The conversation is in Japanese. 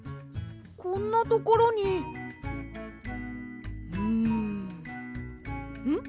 こんなところにんん？